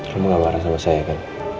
kamu tidak marah dengan saya kan